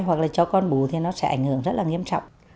hoặc là cho con bú thì nó sẽ ảnh hưởng rất là nghiêm trọng